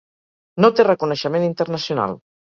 No té reconeixement internacional.